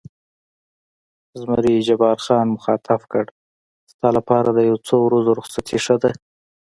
زمري جبار خان مخاطب کړ: ستا لپاره د یو څو ورځو رخصتي ښه ده.